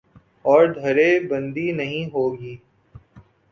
اور دھڑے بندی نہیں ہو گی۔